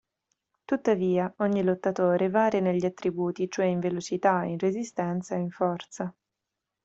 Tuttavia, ogni lottatore varia negli attributi cioè in velocità, in resistenza e in forza.